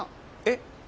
えっ？